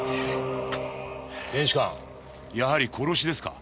検視官やはり殺しですか？